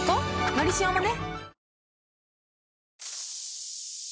「のりしお」もね